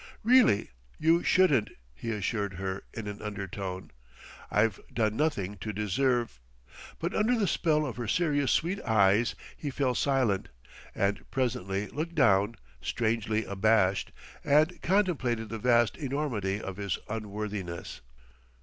"Really, you shouldn't," he assured her in an undertone. "I've done nothing to deserve..." But under the spell of her serious sweet eyes, he fell silent, and presently looked down, strangely abashed; and contemplated the vast enormity of his unworthiness.